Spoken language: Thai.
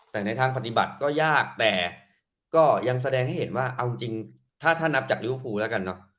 แต่ในทางปฏิบัติก็ยากแต่ก็ยังแสดงให้เห็นว่าเอาจริงถ้านับจากลิวภูแล้วกันเนอะ